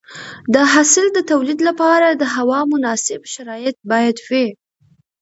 د حاصل د تولید لپاره د هوا مناسب شرایط باید وي.